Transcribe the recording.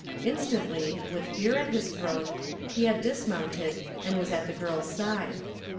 Instantly, with fear at his throat, he had dismounted and was at the girl's side.